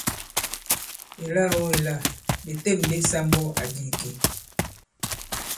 Èlâ-o èla! Ɓè têm ɓe sāmbu àdì ìkè.